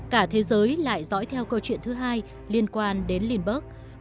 cả thế giới lại dõi theo câu chuyện thứ hai liên quan đến linberg